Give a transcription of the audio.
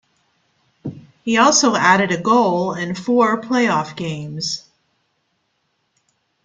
He also added a goal in four playoff games.